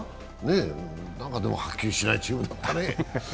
なんかはっきりしないチームだったね。